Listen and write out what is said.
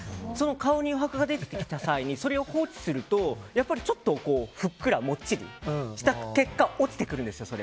顔に余白が出てきた際にそれを放置するとふっくら、もっちりした結果落ちてくるんですよ。